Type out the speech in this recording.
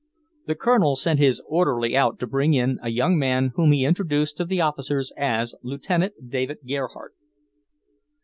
The Colonel sent his orderly out to bring in a young man whom he introduced to the officers as Lieutenant David Gerhardt.